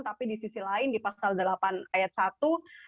tapi di sisi lain di pasal delapan ayat satu